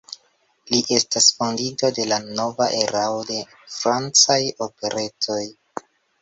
Li estas fondinto de la nova erao de francaj operetoj.